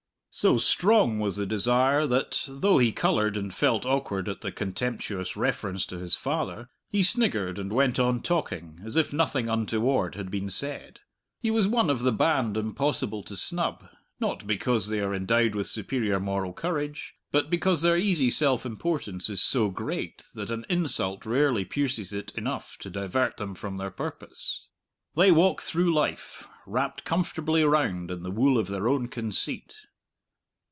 So strong was the desire that, though he coloured and felt awkward at the contemptuous reference to his father, he sniggered and went on talking, as if nothing untoward had been said. He was one of the band impossible to snub, not because they are endowed with superior moral courage, but because their easy self importance is so great that an insult rarely pierces it enough to divert them from their purpose. They walk through life wrapped comfortably round in the wool of their own conceit.